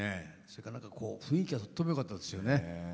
それから雰囲気がとってもよかったですよね。